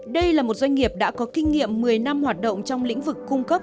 đây là một doanh nghiệp đã có kinh nghiệm một mươi năm hoạt động trong lĩnh vực cung cấp